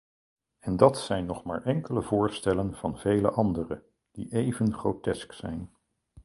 En dat zijn nog maar enkele voorstellen van vele andere, die even grotesk zijn.